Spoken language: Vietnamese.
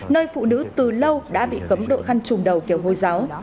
nơi phụ nữ từ lâu đã bị cấm đội khăn trùm đầu kiểu hồi giáo